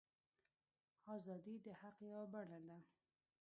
ازادي د حق یوه بڼه ده.